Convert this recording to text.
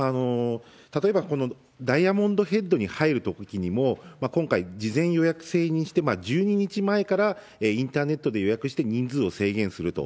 例えばこのダイヤモンドヘッドに入るときにも、今回、事前予約制にして、１２日前からインターネットで予約して予約して、人数を制限すると。